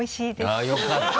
あっよかった。